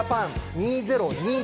２０２１。